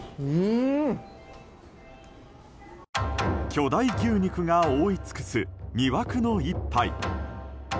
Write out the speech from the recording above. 巨大牛肉が覆い尽くす魅惑の一杯。